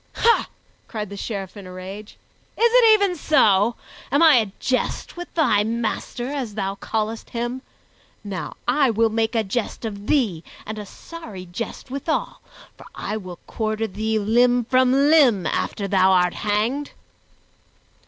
"Ha!" cried the Sheriff in a rage, "is it even so? Am I a jest with thy master, as thou callest him? Now I will make a jest of thee and a sorry jest withal, for I will quarter thee limb from limb, after thou art hanged."